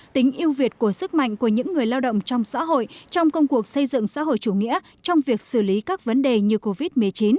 tính yêu việt của sức mạnh của những người lao động trong xã hội trong công cuộc xây dựng xã hội chủ nghĩa trong việc xử lý các vấn đề như covid một mươi chín